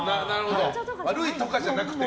悪いとかじゃなくて。